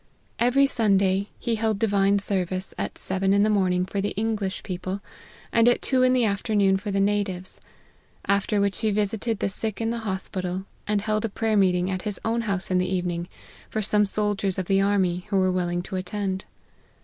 Every Sunday, he held divine service at seven in the morning for the English people, and at two in the afternoon for the natives ; after which he visited the sick in the hospital, and held a prayer meeting at his own house in the evening, for some soldiers of the army, who were willing to attend.